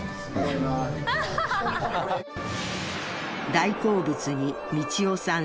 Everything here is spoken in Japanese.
大好物にみちおさん